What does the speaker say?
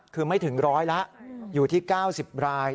คือไม่ถึง๑๐๐แล้วอยู่ที่๙๐ราย